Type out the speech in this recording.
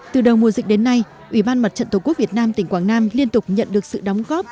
từ đầu mùa dịch đến nay ủy ban mặt trận tổ quốc việt nam tỉnh quảng nam liên tục nhận được sự đóng góp